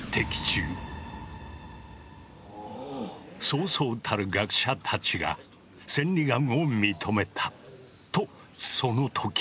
そうそうたる学者たちが千里眼を認めたとその時。